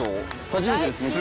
初めてですね。